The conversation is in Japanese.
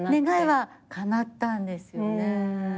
願いはかなったんですよね。